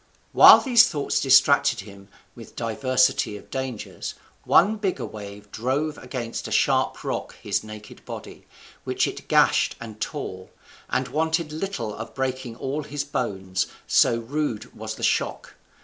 While these thoughts distracted him with diversity of dangers, one bigger wave drove against a sharp rock his naked body, which it gashed and tore, and wanted little of breaking all his bones, so rude was the shock.